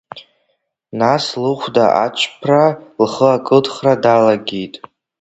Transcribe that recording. Нас лыхәда ацәԥра, лхы акыдхра далагеит.